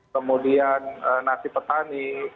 kemudian nasi petani